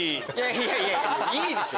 いやいやいいでしょ！